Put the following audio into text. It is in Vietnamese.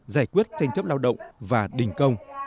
giải quyết tranh chấp lao động và đình công